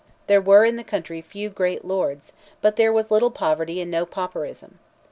There were in the country few great lords, but there was little poverty and no pauperism.